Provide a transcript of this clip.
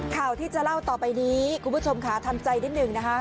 ข่าวที่จะเล่าต่อไปนี้คุณผู้ชมค่ะทำใจนิดหนึ่งนะคะ